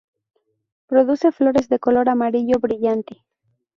Produce flores de color amarillo brillante.